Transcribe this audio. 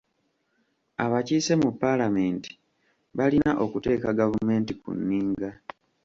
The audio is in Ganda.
Abakiise mu paalamenti balina okuteeka gavumenti ku nninga.